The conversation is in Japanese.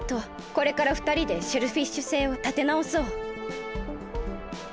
これからふたりでシェルフィッシュ星をたてなおそう。